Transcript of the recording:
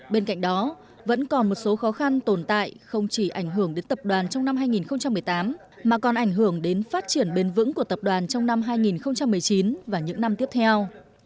bên cạnh đó vẫn còn một số khó khăn tồn tại không chỉ ảnh hưởng đến tập đoàn trong năm hai nghìn một mươi tám mà còn ảnh hưởng đến phát triển bền vững của tập đoàn trong năm hai nghìn một mươi chín và những năm tiếp theo